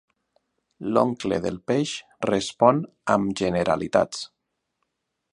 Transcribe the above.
L'oncle del peix respon amb generalitats.